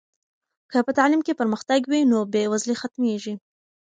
که په تعلیم کې پرمختګ وي نو بې وزلي ختمېږي.